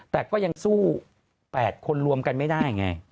แต่ก็ยังสู้๘คนรวมกันไม่ได้ไง